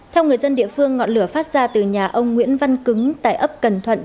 theo người dân địa phương ngọn lửa phát ra từ nhà ông nguyễn văn cứng tại ấp cần thuận